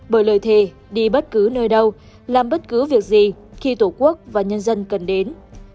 bởi lời thề đi bất cứ nơi đâu làm bất cứ việc gì khi tổ quốc và nhân dân cần đến